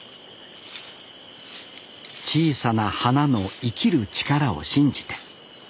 小さな花の生きる力を信じて。